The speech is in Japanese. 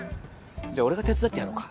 じゃあ俺が手伝ってやろうか？